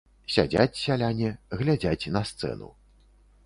Сядзяць сяляне, глядзяць на сцэну.